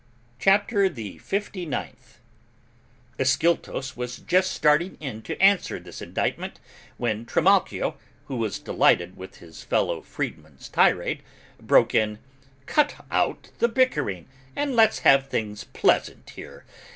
CHAPTER THE FIFTY NINTH. Ascyltos was just starting in to answer this indictment when Trimalchio, who was delighted with his fellow freedman's tirade, broke in, "Cut out the bickering and let's have things pleasant here.